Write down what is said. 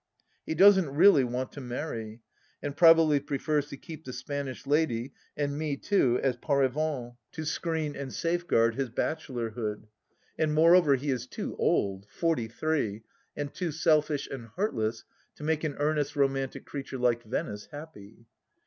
He doesn't, really, want to marry, and probably prefers to keep the Spanish lady, and me too as paravents, 60 THE LAST DITCH to screen and safeguard his bachelorhood. And moreover he is too old — ^forty three — and too selfish and heartless to make an earnest, romantic creature like Venice happy.